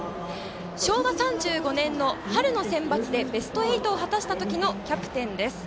昭和３５年の春のセンバツでベスト８を果たしたときのキャプテンです。